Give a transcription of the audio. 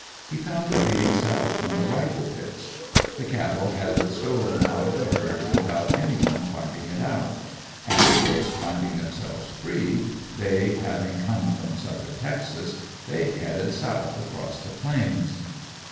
He found it leading south from the "rifle pits." The cattle had stolen out of the herd without anyone finding it out; and of course finding themselves free, they having come from southern Texas, they headed south across the Plains.